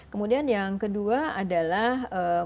kemudian yang kedua adalah